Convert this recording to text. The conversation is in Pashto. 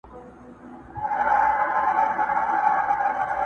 o د بدو به بد مومې.